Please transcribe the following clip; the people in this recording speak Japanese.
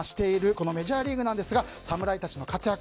このメジャーリーグですが侍たちの活躍